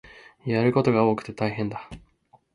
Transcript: やることが多くて大変だ